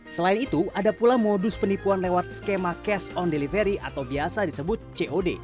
selain itu ada pula modus penipuan lewat skema cash on delivery atau biasa disebut cod